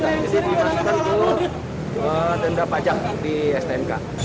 jadi dimasukkan ke denda pajak di stnk